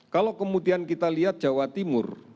kalau kemudian kita lihat jawa timur